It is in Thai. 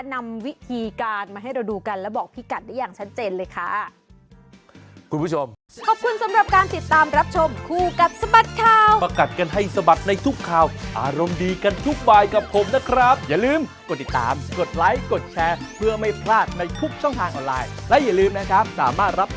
นำวิธีการมาให้เราดูกันและบอกพี่กัดได้อย่างชัดเจนเลยค่ะ